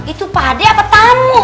itu pak de apa tamu